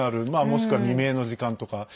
もしくは未明の時間とか。